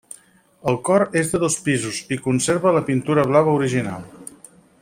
El cor és de dos pisos i conserva la pintura blava original.